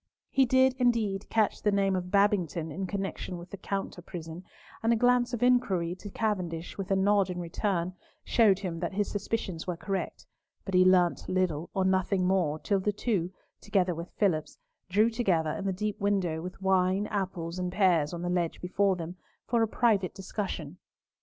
He did, indeed, catch the name of Babington in connection with the "Counter prison," and a glance of inquiry to Cavendish, with a nod in return, showed him that his suspicions were correct, but he learnt little or nothing more till the two, together with Phillipps, drew together in the deep window, with wine, apples, and pears on the ledge before them, for a private discussion.